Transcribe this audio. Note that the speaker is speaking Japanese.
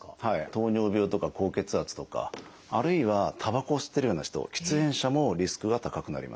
糖尿病とか高血圧とかあるいはたばこを吸ってるような人喫煙者もリスクは高くなります。